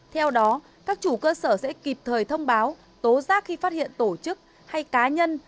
theo đó các chủ cơ sở sẽ kịp thời thông báo tố giác khi phát hiện tổ chức hay cá nhân